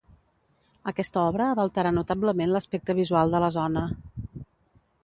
Aquesta obra va alterar notablement l'aspecte visual de la zona.